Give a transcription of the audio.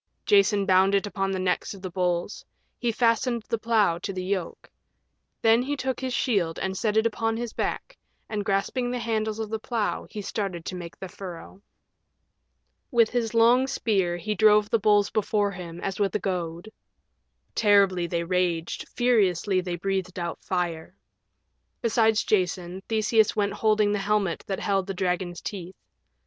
Jason bound it upon the necks of the bulls. He fastened the plow to the yoke. Then he took his shield and set it upon his back, and grasping the handles of the plow he started to make the furrow. With his long spear he drove the bulls before him as with a goad. Terribly they raged, furiously they breathed out fire. Beside Jason Theseus went holding the helmet that held the dragon's teeth.